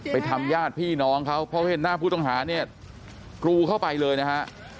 ทำญาติพี่น้องเขาเพราะเห็นหน้าผู้ต้องหาเนี่ยกรูเข้าไปเลยนะฮะ